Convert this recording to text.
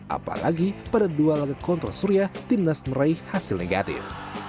apalagi pada dua laga kontra surya timnas meraih hasil negatif